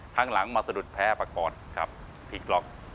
ข้างหลังมาสะดุดแพ้ประกอดครับผิดกรอก